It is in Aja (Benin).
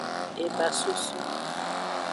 Ebasoso.